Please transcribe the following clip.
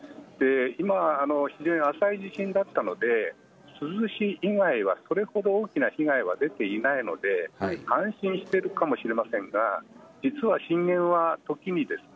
今、非常に浅い地震だったので珠洲市以外はそれほど大きな被害は出ていないので安心しているかもしれませんが実は震源は時にですね